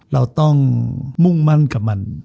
เราต้องมุ่งมั่นกับมัน